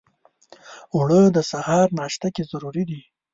اوړه د سهار ناشته کې ضرور دي